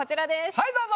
はいどうぞ！